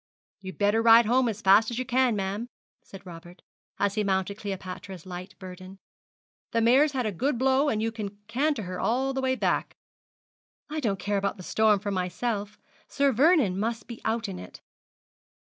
'You'd better ride home as fast as you can, ma'am,' said Robert, as he mounted Cleopatra's light burden. 'The mare's had a good blow, and you can canter her all the way back.' 'I don't care about the storm for myself. Sir Vernon must be out in it.'